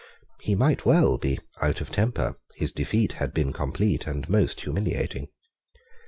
He might well be out of temper. His defeat had been complete and most humiliating.